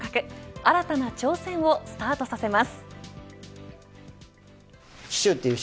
新たな挑戦をスタートさせます。